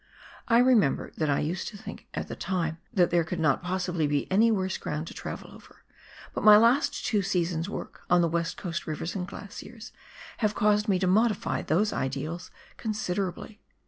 I remember that I used to think at the time that there could not possibly be any worse ground to travel over, but my last two seasons' work, on the West Coast rivers and glaciers, have caused me to modify those ideals considerably.